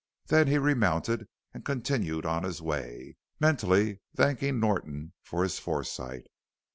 Then he remounted and continued on his way, mentally thanking Norton for his foresight.